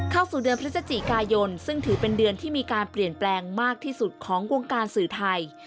เข้าสู่เดือนพฤศจิกายนซึ่งถือเป็นเดือนที่มีการเปลี่ยนแปลงมากที่สุดของวงการสื่อไทย